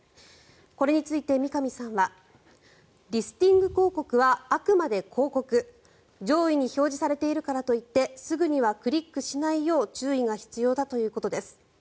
これについて三上さんはリスティング広告はあくまで広告上位に表示されているからといってすぐにはクリックしないよう注意が必要だということです。